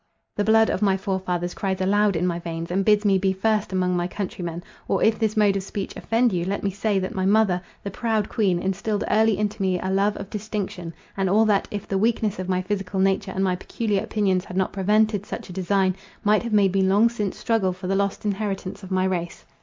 The blood of my forefathers cries aloud in my veins, and bids me be first among my countrymen. Or, if this mode of speech offend you, let me say, that my mother, the proud queen, instilled early into me a love of distinction, and all that, if the weakness of my physical nature and my peculiar opinions had not prevented such a design, might have made me long since struggle for the lost inheritance of my race.